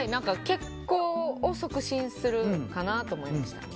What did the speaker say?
血行を促進するかなと思いました。